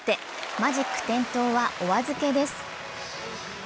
マジック点灯はお預けです。